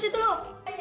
ya jangan keluar ya